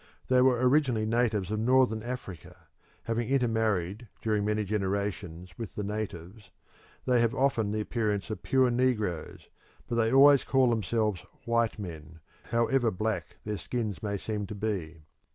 They were originally natives of Northern Africa; having intermarried during many generations with the natives, they have often the appearance of pure negroes, but they always call themselves white men, however black their skins may seem to be.